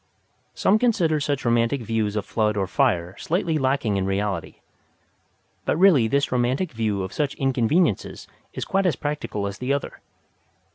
Some consider such romantic views of flood or fire slightly lacking in reality. But really this romantic view of such inconveniences is quite as practical as the other.